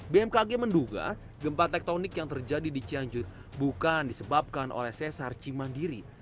bmkg menduga gempa tektonik yang terjadi di cianjur bukan disebabkan oleh sesar cimandiri